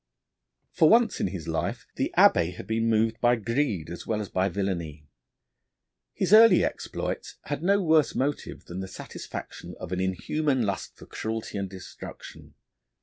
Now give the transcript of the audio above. For once in his life the Abbé had been moved by greed as well as by villainy. His early exploits had no worse motive than the satisfaction of an inhuman lust for cruelty and destruction.